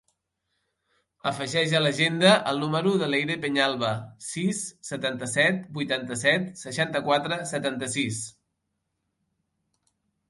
Afegeix a l'agenda el número de l'Eire Peñalba: sis, setanta-set, vuitanta-set, seixanta-quatre, setanta-sis.